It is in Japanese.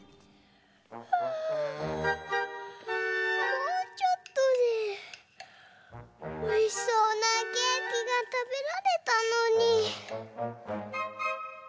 もうちょっとでおいしそうなケーキがたべられたのに。